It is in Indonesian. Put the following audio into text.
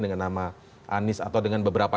dengan nama anies atau dengan beberapa